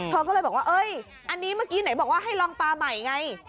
เธอก็เลยบอกว่าเอ้ยอันนี้เมื่อกี้ไหนบอกว่าให้ลองปลาใหม่ไง